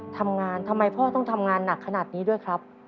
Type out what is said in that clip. ทำไมพ่อต้องทำงานหนักขนาดนี้ด้วยครับ